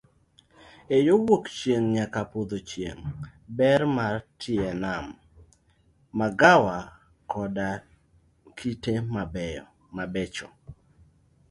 Eyo wuok chieng' nyaka podho chieng', ber mar tie nam, magawa koda kite mabecho.